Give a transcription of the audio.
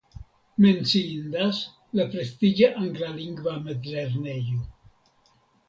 Menciindas la prestiĝa anglalingva mezlernejo.